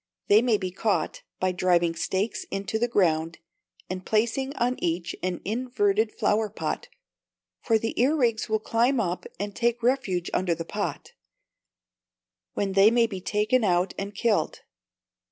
They may be caught by driving stakes into the ground, and placing on each an inverted flower pot, for the earwigs will climb up and take refuge under the pot, when they may be taken out and killed.